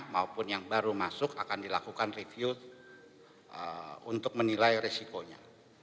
maupun yang baru masuk akan dilakukan review untuk menilai resikonya